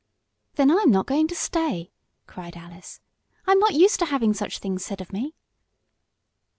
"Then I'm not going to stay!" cried Alice. "I'm not used to having such things said of me."